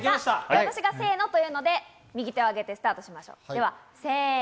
私がせのと言うので、右手を上げてスタートしましょう。